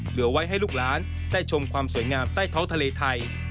เหลือไว้ให้ลูกหลานได้ชมความสวยงามใต้ท้องทะเลไทย